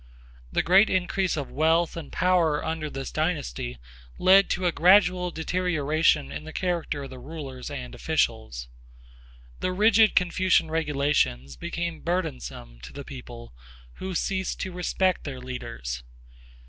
The great increase of wealth and power under this dynasty led to a gradual deterioration in the character of the rulers and officials. The rigid Confucian regulations became burdensome to the people who ceased to respect their leaders.